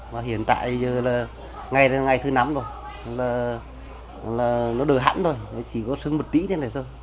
và hiện tại giờ là ngày thứ năm rồi là nó đỡ hẳn rồi chỉ có sưng một tí thế này thôi